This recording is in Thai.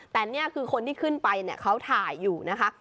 แต่นี่คือคนที่ขึ้นไปเนี่ยเขาถ่ายอยู่นะคะ